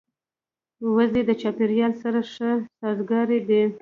وزې د چاپېریال سره ښه سازګارې دي